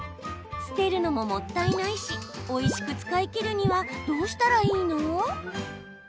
捨てるのももったいないしおいしく使い切るにはどうしたらいいの？